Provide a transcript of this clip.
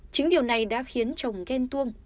chính điều này đã khiến chồng ghen tuông